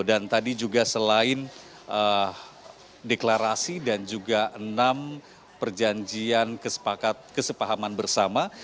dan tadi juga selain deklarasi dan juga enam perjanjian kesepakatan bersama